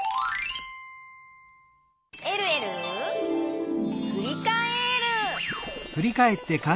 「えるえるふりかえる」